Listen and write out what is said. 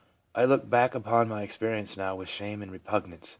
I look back upon my experience now with shame and repugnance.